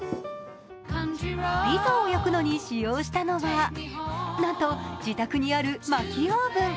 ピザを焼くのに使用したのはなんと自宅にあるまきオーブン。